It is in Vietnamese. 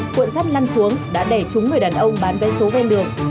cuộn sắt lăn xuống đã đè trúng người đàn ông bán vé số bên đường